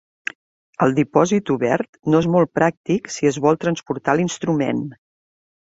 El dipòsit obert no és molt pràctic si es vol transportar l'instrument.